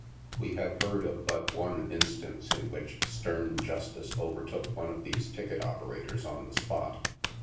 We have heard of but one instance in which stern justice overtook one of these ticket opera tors on the spot.